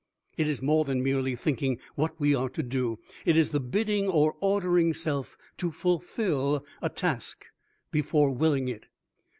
It is more than merely thinking what we are to do; it is the bidding or ordering self to fulfill a task before willing it.